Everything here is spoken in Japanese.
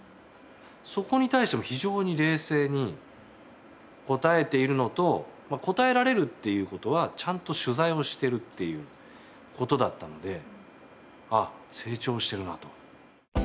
そこに対しても非常に冷静に答えているのと答えられるという事はちゃんと取材をしているという事だったのであっ成長してるなと。